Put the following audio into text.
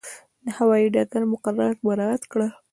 د هوایي ډګر مقررات مراعات کړه.